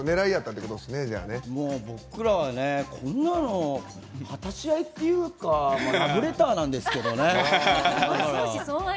僕らはこんなの果し合いっていうかラブレターなんですけどね。